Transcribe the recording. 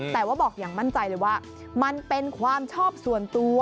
แต่ว่าบอกอย่างมั่นใจเลยว่ามันเป็นความชอบส่วนตัว